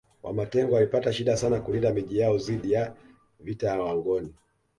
Wamatengo walipata shida sana kulinda Miji yao dhidi ya vita ya Wangoni